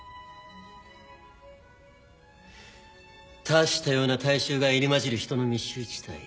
多種多様な体臭が入り交じる人の密集地帯。